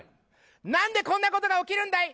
何でこんなことが起きるんだい？